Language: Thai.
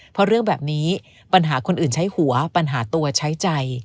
เพราะเรื่องแบบนี้ปัญหาคนอื่นใช้หัวปัญหาตัวใช้ใจ